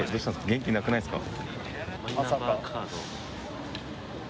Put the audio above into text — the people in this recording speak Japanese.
元気なくないですか？